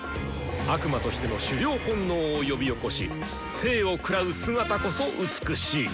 悪魔としての狩猟本能をよびおこし生を食らう姿こそ美しい！